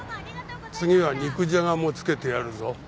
次は肉じゃがもつけてやるぞ。